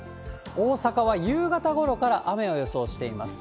大阪は夕方ごろから雨を予想しています。